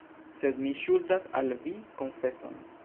Sed mi ŝuldas al vi konfeson.